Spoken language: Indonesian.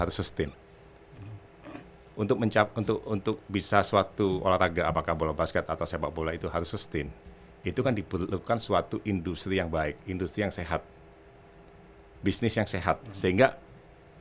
semua orang mempunyai kepentingan